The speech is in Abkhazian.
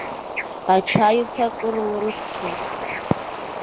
Ачаирҭа акыр лрыцқьеит.